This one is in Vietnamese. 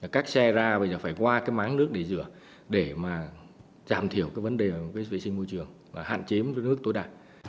các xe ra bây giờ phải qua cái máng nước để rửa để mà giảm thiểu cái vấn đề vệ sinh môi trường và hạn chế nước tối đa